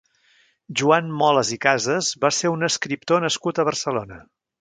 Joan Molas i Casas va ser un escriptor nascut a Barcelona.